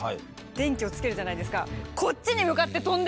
電気をつけるじゃないですか。